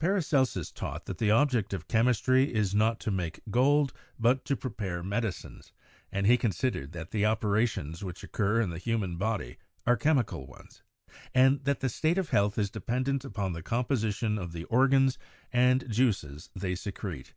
Paracelsus taught that "the object of chemistry is not to make gold, but to prepare medicines," and he considered that the operations which occur in the human body are chemical ones and that the state of health is dependent upon the composition of the organs and the juices they secrete.